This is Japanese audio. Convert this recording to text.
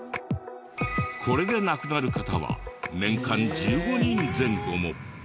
これで亡くなる方は年間１５人前後も。